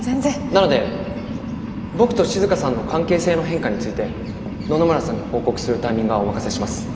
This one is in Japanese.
なので僕と静さんの関係性の変化について野々村さんに報告するタイミングはお任せします。